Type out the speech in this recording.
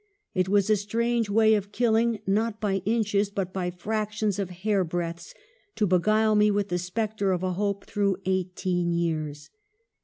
It was a strange way of killing, not by inches, but by fractions of hair breadths, to beguile me with the spectre of a hope through eighteen years."